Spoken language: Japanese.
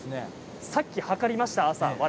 さっき測りました。